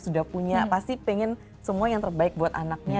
sudah punya pasti pengen semua yang terbaik buat anaknya